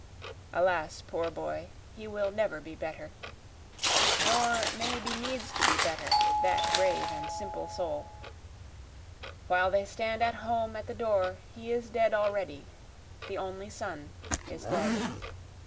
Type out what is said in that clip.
Alas poor boy, he will never be better, (nor may be needs to be better, that brave and simple soul,) While they stand at home at the door he is dead already, The only son is dead.